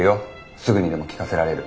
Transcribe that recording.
すぐにでも聴かせられる。